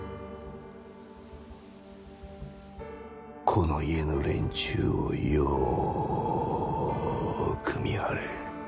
この家の連中をよく見張れ。